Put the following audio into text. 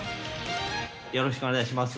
よろしくお願いします。